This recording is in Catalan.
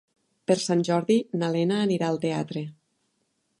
Per Sant Jordi na Lena anirà al teatre.